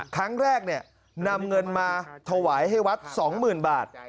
ครั้งแรกนับเงินมาถวายให้วัดสองหมื่นบาท